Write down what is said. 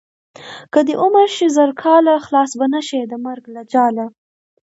که دې عمر شي زر کاله خلاص به نشې د مرګ له جاله.